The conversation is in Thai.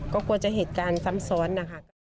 ก็กลัวจะเหตุการณ์ซ้ำซ้อนนะคะ